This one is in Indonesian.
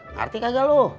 ngerti kagak lu